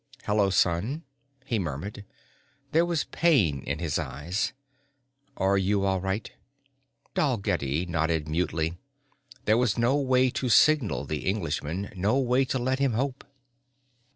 "Hello, son," he murmured. There was pain in his eyes. "Are you all right?" Dalgetty nodded mutely. There was no way to signal the Englishman, no way to let him hope.